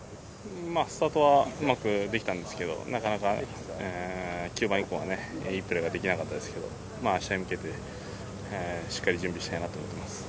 スタートはうまくできたんですけどなかなか中盤以降いいプレーができなかったですけど明日に向けてしっかり準備したいなと思います。